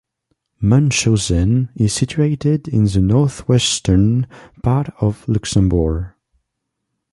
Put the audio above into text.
Munshausen is situated in the northeastern part of Luxembourg.